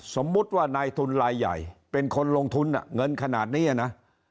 สมมุติว่านายทุนลายใหญ่เป็นคนลงทุนเงินขนาดนี้นะ